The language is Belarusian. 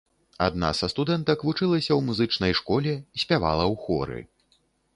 Адна са студэнтак вучылася ў музычнай школе, спявала ў хоры.